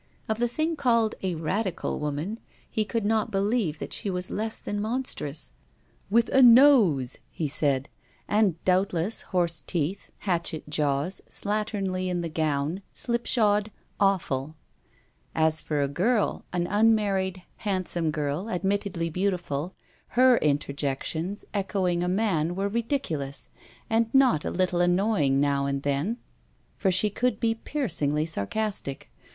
Of the thing called a Radical woman, he could not believe that she was less than monstrous: 'with a nose,' he said; and doubtless, horse teeth, hatchet jaws, slatternly in the gown, slipshod, awful. As for a girl, an unmarried, handsome girl, admittedly beautiful, her interjections, echoing a man, were ridiculous, and not a little annoying now and them, for she could be piercingly sarcastic.